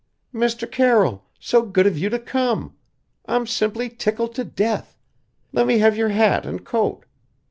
"Mr. Carroll so good of you to come. I'm simply tickled to death. Let me have your hat and coat.